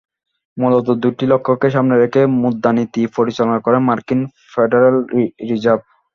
মূলত দুটি লক্ষ্যকে সামনে রেখে মুদ্রানীতি পরিচালনা করে মার্কিন ফেডারেল রিজার্ভ।